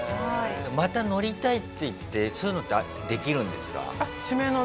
また乗りたいって言ってそういうのってできるんですか？